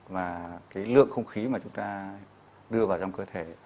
và cái lượng không khí mà chúng ta đưa vào trong cơ thể